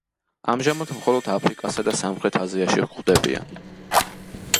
ამჟამად მხოლოდ აფრიკასა და სამხრეთ აზიაში გვხვდებიან.